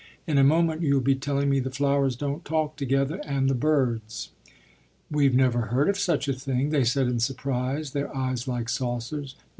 "In a moment you'll be telling me the flowers don't talk together, and the birds." "We never heard of such a thing," they said in surprise, their eyes like saucers.